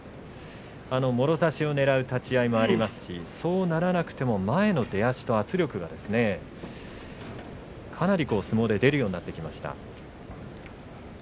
もろ差しをねらう立ち合いもありますしそうならなくても前の出足の圧力がかなり相撲で出るようになってきました。